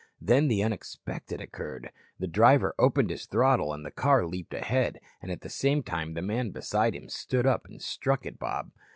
Then the unexpected occurred. The driver opened his throttle and the car leaped ahead, and at the same time the man beside him stood up and struck at Bob.